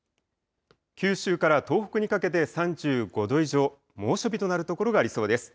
九州から東北にかけて３５度以上、猛暑日となる所がありそうです。